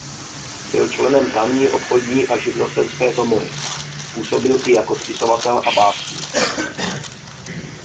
Byl členem tamní obchodní a živnostenské komory. Působil i jako spisovatel a básník.